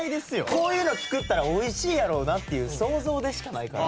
こういうのを作ったら美味しいやろうなっていう想像でしかないから。